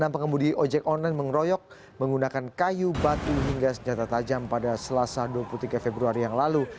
enam pengemudi ojek online mengeroyok menggunakan kayu batu hingga senjata tajam pada selasa dua puluh tiga februari yang lalu